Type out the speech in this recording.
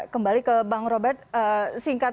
kembali ke bang robert singkat